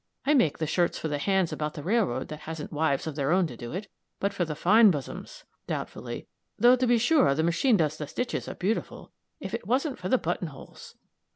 I make the shirts for the hands about the railroad that hasn't wives of their own to do it but for the fine bussums" doubtfully "though, to be sure, the machine does the stitches up beautiful if it wasn't for the button holes!"